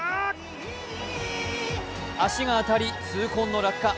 足が当たり、痛恨の落下。